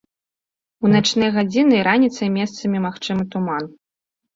У начныя гадзіны і раніцай месцамі магчымы туман.